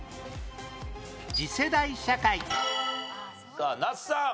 さあ那須さん。